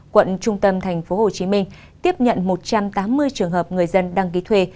quận trung tâm tp hcm tiếp nhận một trăm tám mươi trường hợp người dân đăng ký thuê